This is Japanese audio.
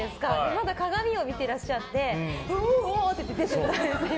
まだ鏡を見ていらっしゃってうおーって言って出て行きました。